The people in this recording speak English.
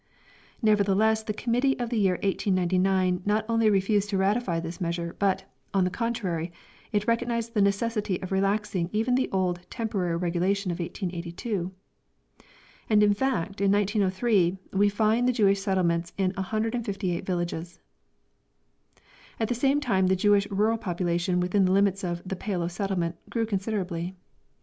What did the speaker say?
Nevertheless, the committee of the year 1899 not only refused to ratify this measure, but, on the contrary, it recognised the necessity of relaxing even the old Temporary Regulation of 1882. And, in fact, in 1903 we find the Jewish settlements in 158 villages. At the same time, the Jewish rural population within the limits of the "Pale of Settlement" grew considerably.